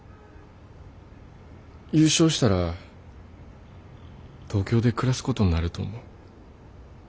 優勝したら東京で暮らすことになると思う。